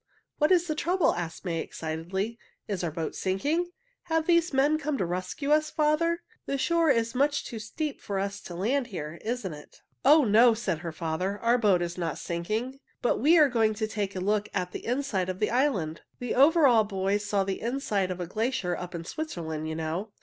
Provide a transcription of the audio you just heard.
"What is the trouble?" asked May excitedly. "Is our boat sinking? Have these men come to rescue us, father? The shore is much too steep for us to land here, isn't it?" [Illustration: "There is a man who wants to take us in his boat"] "Oh, no!" said her father. "Our boat is not sinking, but we are going to take a look at the inside of the island. The Overall Boys saw the inside of a glacier up in Switzerland, you know."